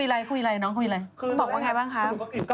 ไม่ต้องคนอย่างว่าวอ่ะ